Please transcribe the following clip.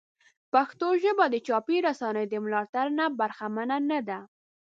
پښتو ژبه د چاپي رسنیو د ملاتړ نه برخمنه نه ده.